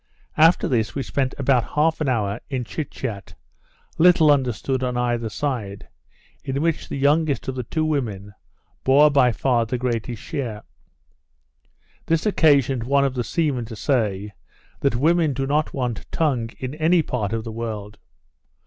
After this, we spent about half an hour in chit chat, little understood on either side, in which the youngest of the two women bore by far the greatest share. This occasioned one of the seamen to say, that women did not want tongue in any part of the world.